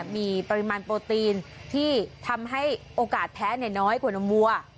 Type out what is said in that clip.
มีปริมาณโปรตีนที่ทำให้โอกาสแพ้น้อยกว่านมวัว